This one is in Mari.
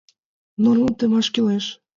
Нормым темаш кӱлеш.